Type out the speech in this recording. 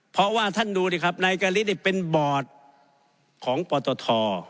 เพราะว่าท่านดูดิครับนายกะลินี่เป็นบอร์ดของปตท